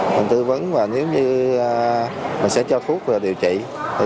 mình tư vấn và nếu như mình sẽ cho thuốc điều trị